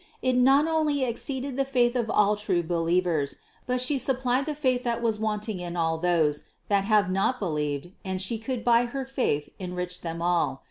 It not only exceeded the faith of all true believers, but She supplied the faith that was wanting in all those that have not believed and She could by Her faith enrich them all.